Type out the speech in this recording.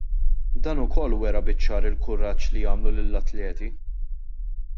Dan ukoll wera biċ-ċar il-kuraġġ li għamlu lill-atleti.